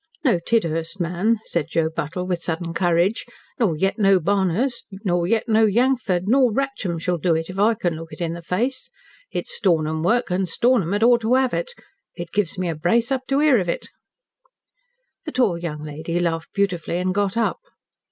"No Tidhurst man," said Joe Buttle, with sudden courage, "nor yet no Barnhurst, nor yet no Yangford, nor Wratcham shall do it, if I can look it in the face. It's Stornham work and Stornham had ought to have it. It gives me a brace up to hear of it." The tall young lady laughed beautifully and got up.